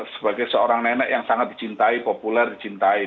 sebagai seorang nenek yang sangat dicintai populer dicintai